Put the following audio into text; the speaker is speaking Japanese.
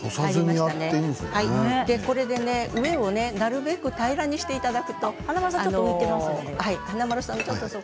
これで上をなるべく平らにしていただくと華丸さんは浮いていますね。